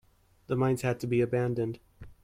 The mines had to be abandoned.